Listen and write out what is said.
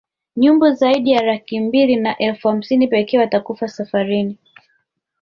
Nyumbu zaidi ya laki mbili na elfu hamsini pekee watakufa safarini